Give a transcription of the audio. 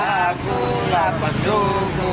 aku gak pedulung